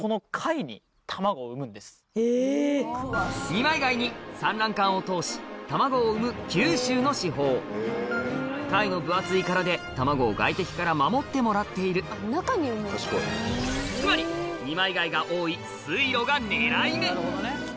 二枚貝に産卵管を通し卵を産む九州の至宝貝の分厚い殻で卵を外敵から守ってもらっているつまりはい。